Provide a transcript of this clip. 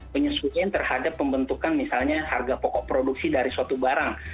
penyesuaian terhadap pembentukan misalnya harga pokok produksi dari suatu barang